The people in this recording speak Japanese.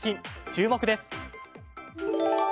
注目です。